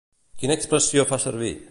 Quina expressió fa servir?